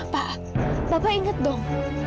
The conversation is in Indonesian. pak bapak ingat dong